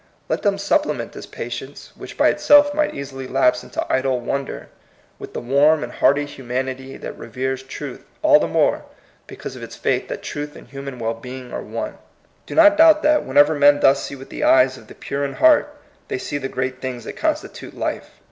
Let them supplement this patience, which by itself might easily lapse into idle won der, with the warm and hearty humanity that reveres truth all the more because of its faith that truth and human well being are one. Do not doubt that, whenever men thus see with the eyes of the pure in heart, they see the great things that constitute life.